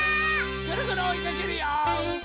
ぐるぐるおいかけるよ！